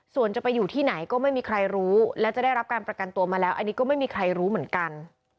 ส่วนจะไปอยู่ที่ไหนก็ไม่มีใครรู้และจะได้รับการประกันตัวมาแล้วอันนี้ก็ไม่มีใครรู้เหมือนกัน